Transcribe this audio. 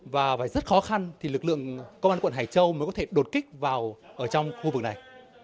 và rất khó khăn thì lực lượng công an quận hải châu mới có thể đột kích vào ở trong khu vực này